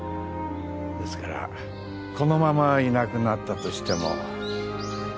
ですからこのままいなくなったとしても